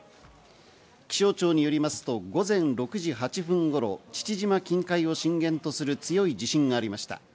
気象庁によりますと午前６時８分頃、父島近海を震源とする強い地震がありました。